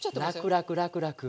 らくらくらくらく。